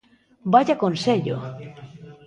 ¡Vaia consello!